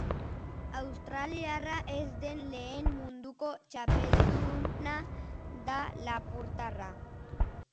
Australiarra ez den lehen munduko txapelduna da lapurtarra.